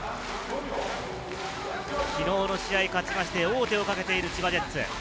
昨日の試合を勝ちまして、王手をかけている千葉ジェッツ。